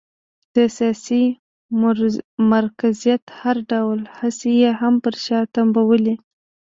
د سیاسي مرکزیت هر ډول هڅې یې هم پر شا تمبولې.